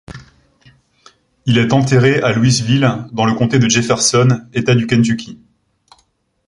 Il est enterré à Louisville dans le comté de Jefferson, État du Kentucky.